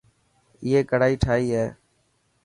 ائي ڪڙائي ٺاهي هي.